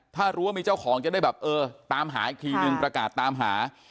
ถ้ารู้ว่ามีเจ้าของจะได้แบบเออตามหาอีกทีนึงประกาศตามหา